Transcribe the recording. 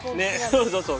そうそうそう。